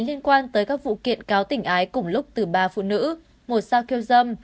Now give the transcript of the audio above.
liên quan tới các vụ kiện cao tỉnh ái cùng lúc từ ba phụ nữ một sao kiêu dâm